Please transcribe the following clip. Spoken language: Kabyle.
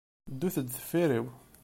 Ddut-d deffir-iw.